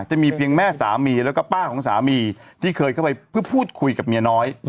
จะมีเพียงแม่สามีแล้วก็ป้าของสามีที่เคยเข้าไปเพื่อพูดคุยกับเมียน้อย